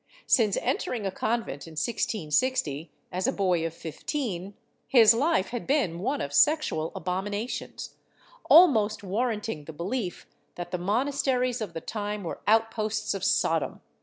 Since entering a convent, in 1660, as a boy of fifteen, his life had been one of sexual abominations, almost warranting the belief that the monasteries of 'the time were outposts of Sodom.